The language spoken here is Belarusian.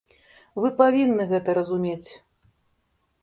Вы павінны гэта разумець!